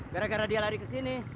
gara gara dia lari kesini